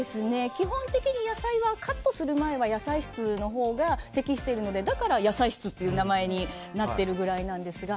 基本的に野菜はカットする前は野菜室が適しているのでだから野菜室という名前になっているんですが。